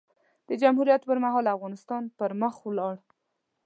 د جمهوریت پر مهال؛ افغانستان پر مخ ولاړ.